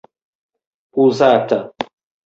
uzata